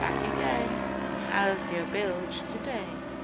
Back again? An' how's your bilge to day?"